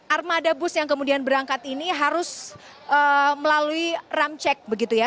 armada bus yang kemudian berangkat ini harus melalui ramcek begitu ya